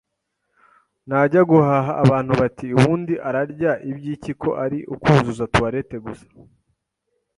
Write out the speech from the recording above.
najya guhaha abantu bati ubundi ararya iby’iki ko ari ukuzuza toilette gusa